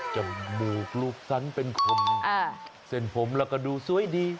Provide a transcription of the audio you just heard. จมูกรูปสันเป็นคนเส้นผมแล้วก็ดูสวยดี